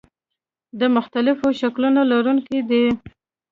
د مختلفو شکلونو لرونکي دي.